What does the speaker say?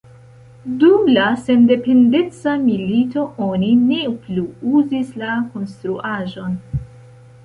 Dum la sendependeca milito oni ne plu uzis la konstruaĵon.